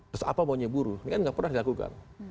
terus apa maunya buruh ini kan nggak pernah dilakukan